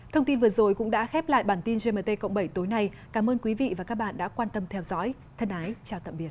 thông tin vừa rồi cũng đã khép lại bản tin gmt cộng bảy tối nay cảm ơn quý vị và các bạn đã quan tâm theo dõi thân ái chào tạm biệt